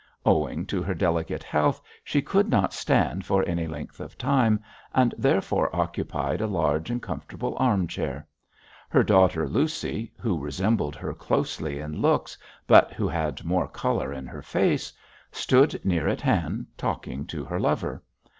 Owing to her delicate health she could not stand for any length of time, and therefore occupied a large and comfortable arm chair. Her daughter Lucy, who resembled her closely in looks, but who had more colour in her face, stood near at hand talking to her lover.